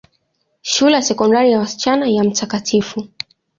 Shule ya Sekondari ya wasichana ya Mt.